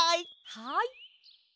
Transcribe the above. はい。